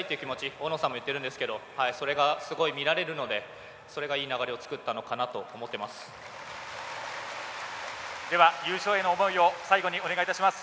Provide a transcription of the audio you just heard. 大野さんも言ってるんですけどそれがすごい見られるのでそれがいい流れを作ったのかなと思っています。